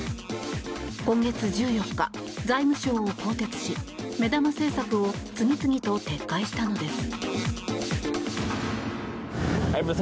今月１４日、財務相を更迭し目玉政策を次々と撤回したのです。